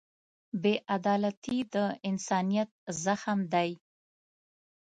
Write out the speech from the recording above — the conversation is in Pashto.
بېعدالتي د انسانیت زخم دی.